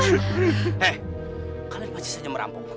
hei kalian masih saja merampung